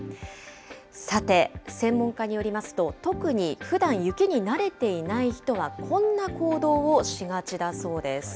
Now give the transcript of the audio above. さて、専門家によりますと、特にふだん雪に慣れていない人は、こんな行動をしがちだそうです。